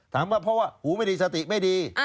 ว่าเพราะว่าหูไม่ดีสติไม่ดี